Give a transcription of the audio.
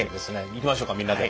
いきましょうかみんなで。